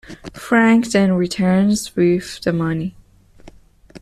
Frank then returns with the money.